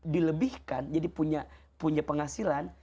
dilebihkan jadi punya penghasilan